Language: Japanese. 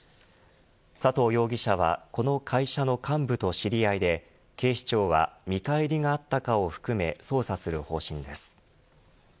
佐藤容疑者はこの会社の幹部と知り合いで警視庁は見返りがあったかを含め捜査する方針です。